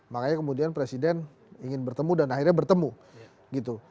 makanya kemudian presiden ingin bertemu dan akhirnya bertemu gitu